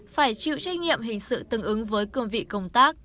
phải chịu trách nhiệm hình sự tương ứng với cương vị công tác